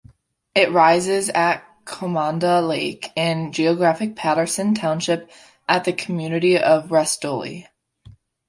It rises at Commanda Lake in geographic Patterson Township at the community of Restoule.